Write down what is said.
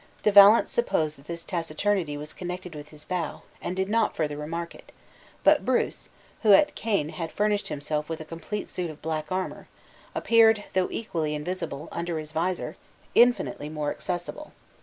De Valence supposed that this taciturnity was connected with his vow, and did not further remark it; but Bruce (who at Caen had furnished himself with a complete suit of black armor) appeared, though equally invisible under his visor, infinitely more accessible.